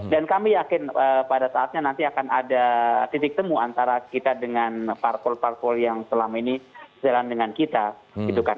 dan kami yakin pada saatnya nanti akan ada titik temu antara kita dengan partul partul yang selama ini jalan dengan kita